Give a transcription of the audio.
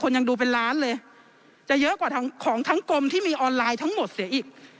ยังดูเป็นล้านเลยจะเยอะกว่าทั้งของทั้งกรมที่มีออนไลน์ทั้งหมดเสียอีก